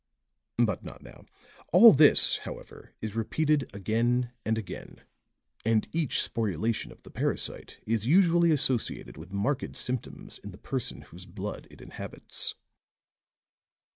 But not now. All this, however, is repeated again and again; and each sporulation of the parasite is usually associated with marked symptoms in the person whose blood it inhabits."